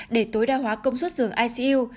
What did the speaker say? để tối đa hóa công suất giường icu